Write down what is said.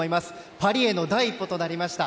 パリへの第一歩となりました。